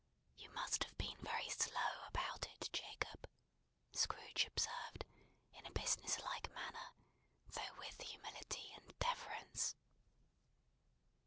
"You must have been very slow about it, Jacob," Scrooge observed, in a business like manner, though with humility and deference.